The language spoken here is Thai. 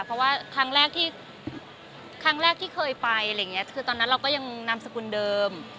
เพราะว่าครั้งแรกที่เคยไปตอนนั้นเราก็ยังนามสกุลเดิม